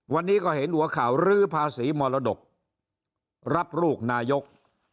วันนี้ก็เห็นหัวข่าวลื้อภาษีมรดกรับลูกนายก